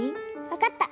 わかった。